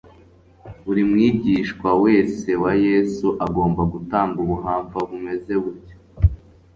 Buri mwigishwa wese wa Yesu agomba gutanga ubuhamva bumeze butyo.